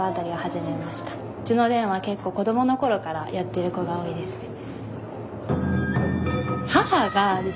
うちの連は結構子どものころからやってる子が多いですね。